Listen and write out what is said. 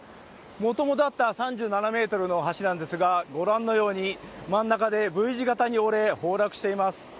もともとあった３７ｍの橋なんですがご覧のように真ん中でＶ字型に折れ崩落しています。